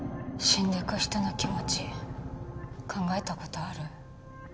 死んでいく人の気持ち考えたことある？